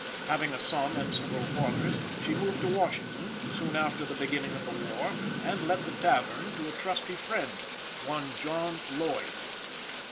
Having a son and several daughters, she moved to Washington soon after the beginning of the war and let the tavern to a trusty friend one John Lloyd.